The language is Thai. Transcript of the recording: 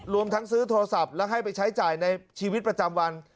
รวมทั้งซื้อโทรศัพท์แล้วให้ไปใช้จ่ายในชีวิตประจำวัน